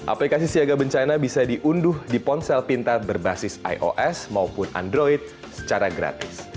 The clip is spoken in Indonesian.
aplikasi siaga bencana bisa diunduh di ponsel pintar berbasis ios maupun android secara gratis